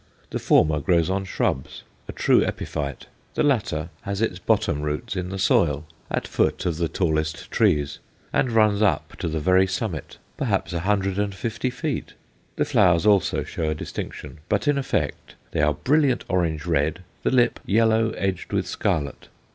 The former grows on shrubs, a true epiphyte; the latter has its bottom roots in the soil, at foot of the tallest trees, and runs up to the very summit, perhaps a hundred and fifty feet. The flowers also show a distinction, but in effect they are brilliant orange red, the lip yellow, edged with scarlet.